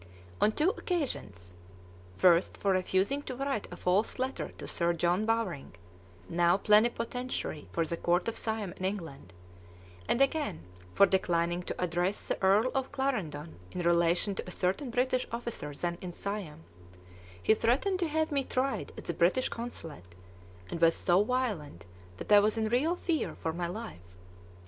On two occasions first for refusing to write a false letter to Sir John Bowring, now Plenipotentiary for the Court of Siam in England; and again for declining to address the Earl of Clarendon in relation to a certain British officer then in Siam he threatened to have me tried at the British Consulate, and was so violent that I was in real fear for my life.